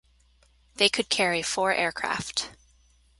They could carry four aircraft.